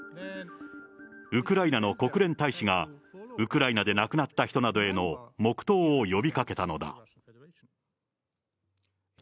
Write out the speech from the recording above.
ウクライナの国連大使が、ウクライナで亡くなった人などへの黙とうを呼びかけたのだ。